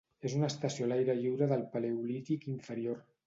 És una estació a l'aire lliure del Paleolític inferior.